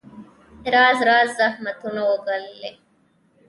راز راز زحمتونه وګاللې.